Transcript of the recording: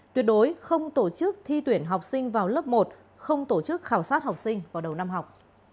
tuyệt đối không tổ chức thi tuyển học sinh vào lớp một không tổ chức khảo sát học sinh vào đầu năm học